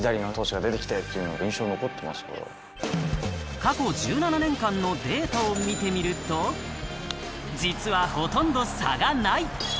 過去１７年間のデータを見てみると、実はほとんど差がない。